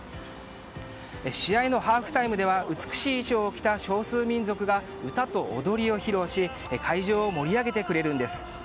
試合のハーフタイムでは美しい衣装を着た少数民族が歌と踊りを披露し会場を盛り上げてくれるんです。